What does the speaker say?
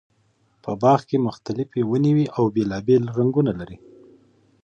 په باغ کې مختلفې ونې وي او بېلابېل رنګونه لري.